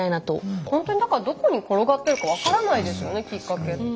ほんとにだからどこに転がってるか分からないですよねきっかけって。